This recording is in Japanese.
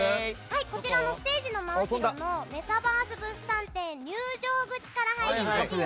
ステージの真後ろの「メタバース物産展」入場口から入りますよ！